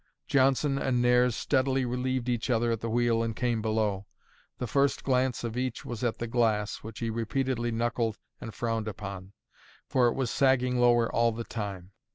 Johnson and Nares steadily relieved each other at the wheel and came below. The first glance of each was at the glass, which he repeatedly knuckled and frowned upon; for it was sagging lower all the time.